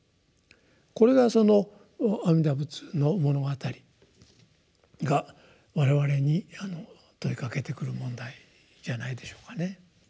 これがその「阿弥陀仏の物語」が我々に問いかけてくる問題じゃないでしょうかね。